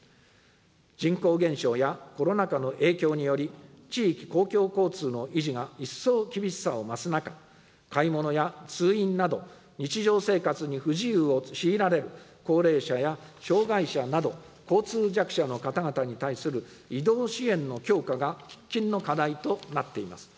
人口減少やコロナ禍の影響により、地域公共交通の維持が一層厳しさを増す中、買い物や通院など、日常生活に不自由を強いられる高齢者や障害者など、交通弱者の方々に対する移動支援の強化が喫緊の課題となっています。